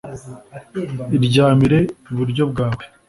Iryamire iburyo bwawe